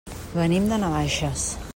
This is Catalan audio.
Venim de Navaixes.